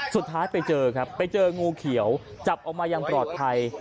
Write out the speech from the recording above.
สุดท้ายไปเจอครับไปเจองูเขียวจับออกมาอย่างปลอดภัย